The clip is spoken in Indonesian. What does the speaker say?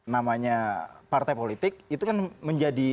namanya partai politik itu kan menjadi